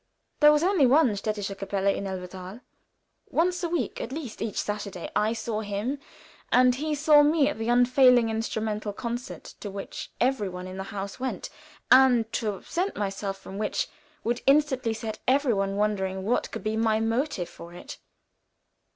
There was only one städtische Kapelle in Elberthal. Once a week at least each Saturday I saw him, and he saw me at the unfailing instrumental concert to which every one in the house went, and to absent myself from which would instantly set every one wondering what could be my motive for it.